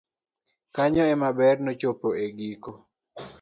kanyo ema ber nochopo e giko